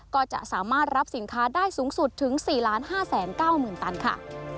ก็จะสามารถรับสินค้าได้สูงสุดถึง๔๕๙๐๐๐ตันค่ะ